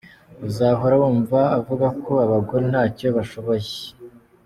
Uzahora wumva avuga ko abagore ntacyo bashoboye.